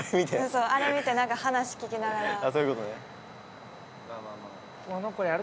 そうあれ見て何か話聞きながらあ